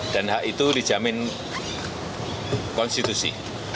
dan hak itu dijamin konstitusi